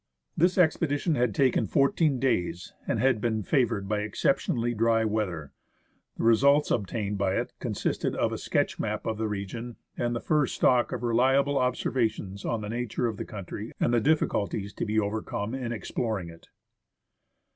This expedition had taken fourteen days, and been favoured by exceptionally dry weather. The results obtained by it consisted of a sketch map of the region and the first stock of reliable observa tions on the nature of the country and the difficulties to be over come in exploring it.